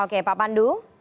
oke pak pandu